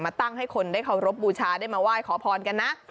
ตั้งให้คนได้เคารพบูชาได้มาไหว้ขอพรกันนะ